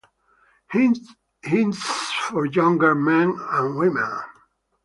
Hints for younger men and women.